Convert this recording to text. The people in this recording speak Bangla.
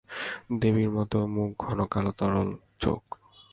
দেবীর মতো মুখ ঘন কালো তরল চোখ।